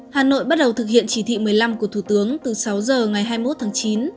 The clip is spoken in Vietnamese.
hà nội bắt đầu thực hiện chỉ thị một mươi năm của thủ tướng từ sáu giờ ngày hai mươi một tháng chín